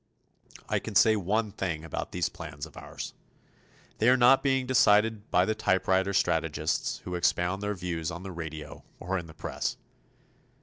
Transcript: I can say one thing about these plans of ours: They are not being decided by the typewriter strategists who expound their views on the radio or in the press.